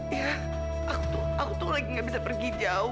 iya aku tuh lagi nggak bisa pergi jauh